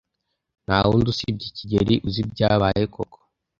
Nta wundi usibye kigeli uzi ibyabaye koko.